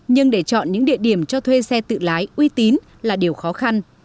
nhưng để chọn những địa điểm cho thuê xe tự lái uy tín là điều khó khăn